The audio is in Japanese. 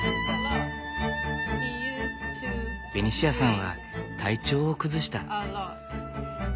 ベニシアさんは体調を崩した。